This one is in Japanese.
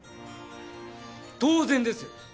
当然です！